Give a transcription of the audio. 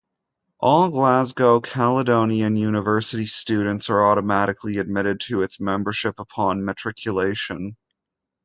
All Glasgow Caledonian University students are automatically admitted to its membership upon matriculation.